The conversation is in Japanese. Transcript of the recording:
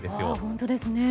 本当ですね。